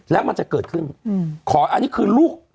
แล้วมันจะเกิดขึ้นขออันนี้คือลูก